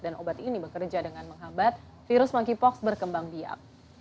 dan obat ini bekerja dengan menghambat virus monkeypox berkembang biak